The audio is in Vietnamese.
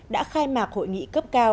đã khai mạc hội nghị cấp cao